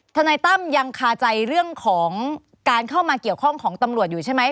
ทนายตั้มยังคาใจเรื่องของการเข้ามาเกี่ยวข้องของตำรวจอยู่ใช่ไหม